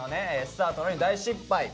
「スタートなのに大失敗」。